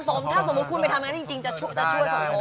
ถ้าสมมุติคุณไปทำอย่างนั้นจริงจะช่วยสมทบ